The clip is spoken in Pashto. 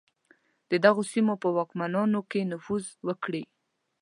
د دغو سیمو په واکمنانو کې نفوذ وکړي.